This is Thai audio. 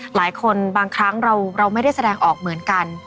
หลายคนบางครั้งเราไม่ได้แสดงออกเหมือนกัน